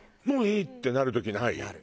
もういいってなる時ない？